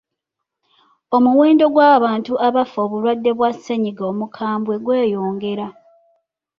Omuwendo gw'abantu abafa obulwadde bwa ssennyiga omukambwe gweyongera.